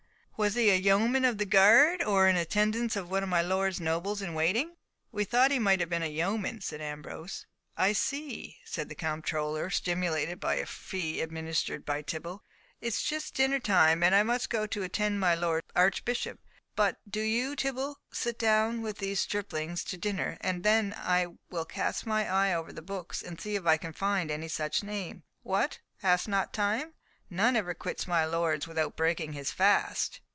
"Was he a yeoman of the guard, or in attendance on one of my lord's nobles in waiting?" "We thought he had been a yeoman," said Ambrose. "See," said the comptroller, stimulated by a fee administered by Tibble, "'tis just dinner time, and I must go to attend on my Lord Archbishop; but do you, Tibble, sit down with these striplings to dinner, and then I will cast my eye over the books, and see if I can find any such name. What, hast not time? None ever quits my lord's without breaking his fast."